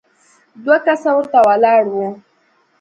دوه کسه ورته ولاړ وو.